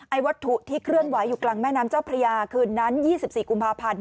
วัตถุที่เคลื่อนไหวอยู่กลางแม่น้ำเจ้าพระยาคืนนั้น๒๔กุมภาพันธ์